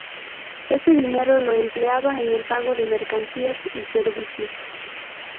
Ese dinero lo empleaba en el pago de mercancías y servicios.